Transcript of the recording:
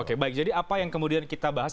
oke baik jadi apa yang kemudian kita bahas